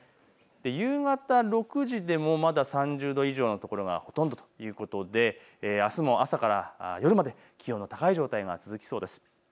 夕方６時でもまだ３０度以上の所がほとんどということであすも朝から夜まで気温が高い状態が続きそうです。